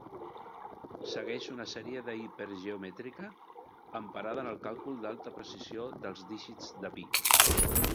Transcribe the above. Segueix una sèrie hipergeomètrica emprada en el càlcul d'alta precisió dels dígits de pi.